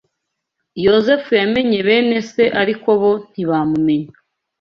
Yozefu yamenye bene se ariko bo ntibamumenya.